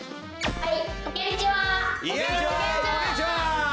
はい。